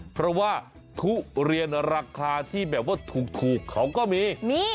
เพราะว่าทุเรียนราคาที่แบบว่าถูกเขาก็มี